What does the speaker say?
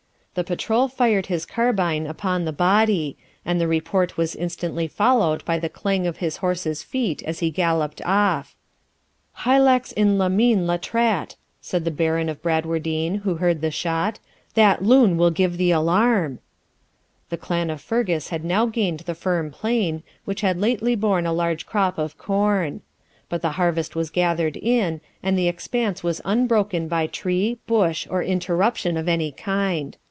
The patrol fired his carabine upon the body, and the report was instantly followed by the clang of his horse's feet as he galloped off. 'Hylax in limine latrat,' said the Baron of Bradwardine, who heard the shot;'that loon will give the alarm.' The clan of Fergus had now gained the firm plain, which had lately borne a large crop of corn. But the harvest was gathered in, and the expanse was unbroken by tree, bush, or interruption of any kind.